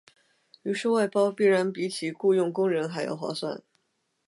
于是外包必然比起雇用工人还要划算。